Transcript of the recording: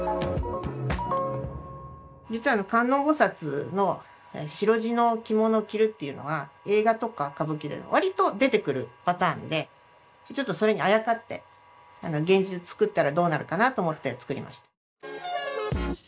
実は観音菩薩の白地の着物を着るっていうのは映画とか歌舞伎でわりと出てくるパターンでちょっとそれにあやかって現実作ったらどうなるかなと思って作りました。